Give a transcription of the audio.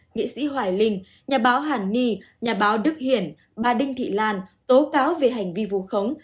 nghị sĩ hoài linh nhà báo hàn nhi nhà báo đức hiển bà đinh thị lan tố cáo về hành vi vụ khống